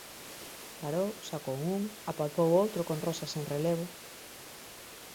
Parou, sacou un, apalpou outro con rosas en relevo...